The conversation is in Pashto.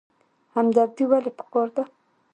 همدردي ولې پکار ده؟